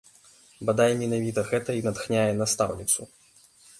Бадай, менавіта гэта і натхняе настаўніцу.